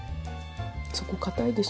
そこ硬いでしょ？